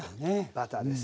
バターです。